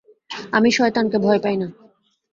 আমি শয়তানকে ভয় পাই না।